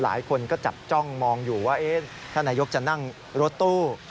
หลายคนก็จับจ้องมองอยู่ว่าท่านนายกจะนั่งรถตู้